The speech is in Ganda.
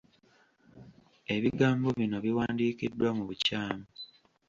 Ebigambo bino biwandiikiddwa mu bukyamu.